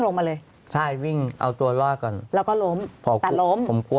ลงมาเลยใช่วิ่งเอาตัวรอดก่อนแล้วก็ล้มพอแต่ล้มผมกลัว